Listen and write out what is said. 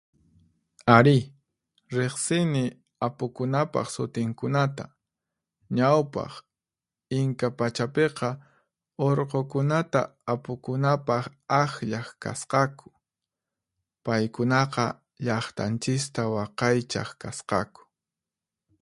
Arí, riqsini apukunapaq sutinkunata. Ñawpaq Inka pachapiqa, urqukunata apukunapaq aqllaq kasqaku, paykunaqa llaqtanchista waqaychaq kasqaku.